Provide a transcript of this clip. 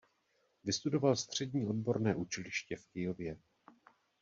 Vystudoval střední odborné učiliště v Kyjově.